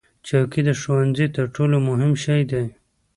چوکۍ د ښوونځي تر ټولو مهم شی دی.